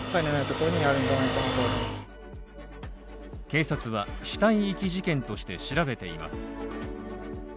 警察は死体遺棄事件として調べています。